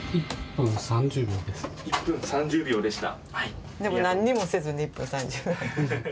１分３０秒でした。